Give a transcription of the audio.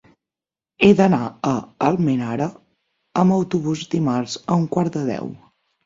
He d'anar a Almenara amb autobús dimarts a un quart de deu.